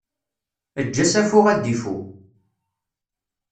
Eǧǧ asafu ad d-ifu!